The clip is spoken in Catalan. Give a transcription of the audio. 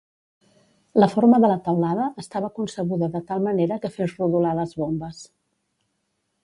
La forma de la teulada estava concebuda de tal manera que fes rodolar les bombes.